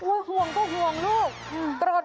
โอ้ยห่วงก็ห่วงลูกโตรดก็โตรดพ่อ